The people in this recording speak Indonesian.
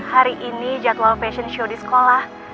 hari ini jadwal fashion show di sekolah